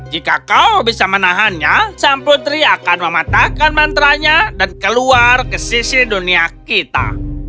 jika kau bisa menahannya sang putri akan mematahkan mantranya dan keluar ke sisi dunia kita